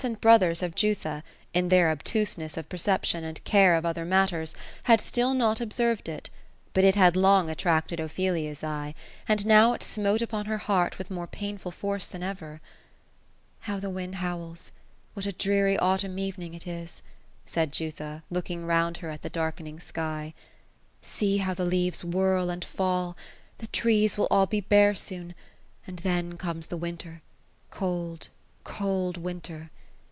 217 and brothers of Jutho, in their obtusencss of perception, and care of other matters, had still not observed it : but it had long attracted Ophe lia's eye ; and now it smote upon her heart with more painful force than over. " How the wind howls 1 What a dreary autumn evening it is !" said Jutha, looking round her at the darkening sky. " See how the leaves whirl, and fall 1 The trees will all be bare soon ; and then comes winter cold, cold, winter.